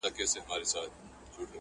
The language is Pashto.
o خپل به دي وژړوي، غليم به دي وخندوي!